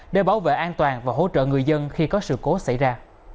để bảo vệ an toàn và hỗ trợ người dân khi có sự cố xảy ra